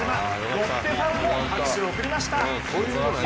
ロッテファンも拍手を送りました。